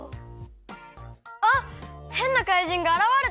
あっへんなかいじんがあらわれた！